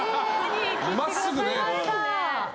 真っすぐね。